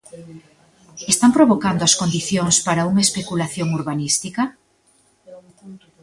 ¿Están provocando as condicións para unha especulación urbanística?